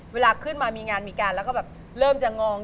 เวลาขึ้นมามีงานมีการแล้วก็แบบเริ่มจะงอง